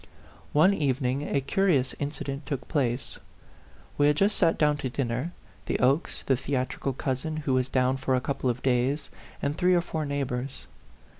One evening a curious incident took place. We had just sat down to dinner, the Okes, the theatrical cousin, who was down for a couple of days, and three or four neighbors.